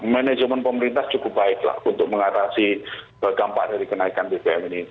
manajemen pemerintah cukup baiklah untuk mengatasi kegampaan dari kenaikan bpm ini